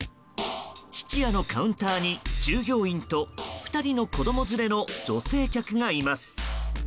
質屋のカウンターに従業員と２人の子供連れの女性客がいます。